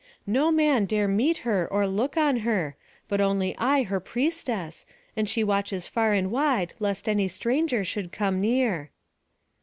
No man dare meet her or look on her, but only I her priestess, and she watches far and wide lest any stranger should come near."